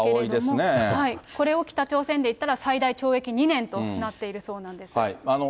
これを北朝鮮で言ったら、最大懲役２年となっているそうなんえぐい。